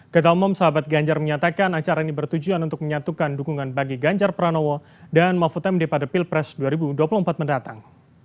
ketua umum sahabat ganjar menyatakan acara ini bertujuan untuk menyatukan dukungan bagi ganjar pranowo dan mahfud md pada pilpres dua ribu dua puluh empat mendatang